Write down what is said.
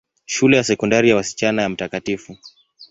Shule ya Sekondari ya wasichana ya Mt.